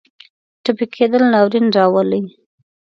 ټپي کېدل ناورین راولي.